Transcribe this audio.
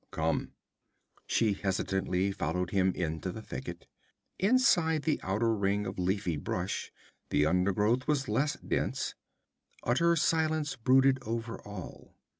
Come!' She hesitantly followed him into the thicket. Inside the outer ring of leafy brush, the undergrowth was less dense. Utter silence brooded over all.